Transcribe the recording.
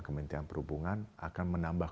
kementerian perhubungan akan menambah